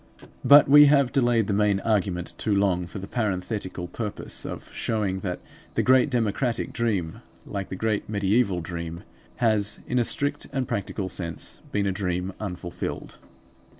But we have delayed the main argument too long for the parenthetical purpose of showing that the great democratic dream, like the great mediaeval dream, has in a strict and practical sense been a dream unfulfilled.